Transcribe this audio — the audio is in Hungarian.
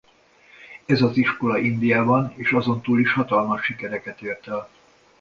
Ez az iskola Indiában és azon túl is hatalmas sikereket ért el.